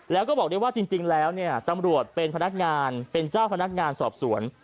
แล้วก็บอกได้ว่าจริงแล้วเนี่ยตำรวจเป็นพนักงานเป็นเจ้าพนักงานสอบสวน